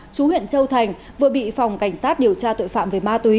chú huyện châu thành vừa bị giết